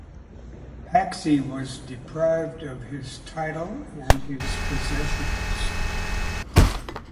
Haxey was deprived of his title and his possessions.